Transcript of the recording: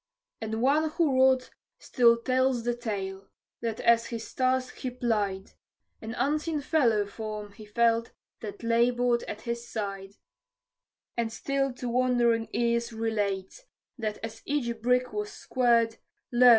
And one who wrought still tells the tale, that as his task he plied, An unseen fellow form he felt that labored at his side; And still to wondering ears relates, that as each brick was squared, Lo!